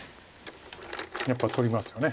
やっぱ取りますよね。